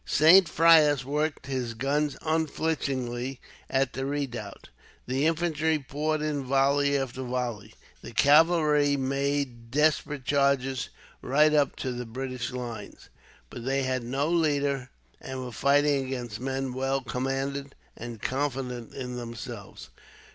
Saint Frais worked his guns unflinchingly at the redoubt, the infantry poured in volley after volley, the cavalry made desperate charges right up to the British lines. But they had no leader, and were fighting against men well commanded, and confident in themselves.